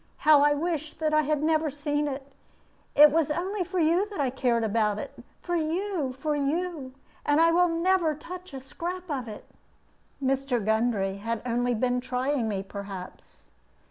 How I wish that I had never seen it! It was only for you that I cared about it for you, for you; and I will never touch a scrap of it." Mr. Gundry had only been trying me, perhaps.